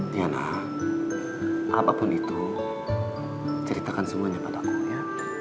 tiana apapun itu ceritakan semuanya padamu ya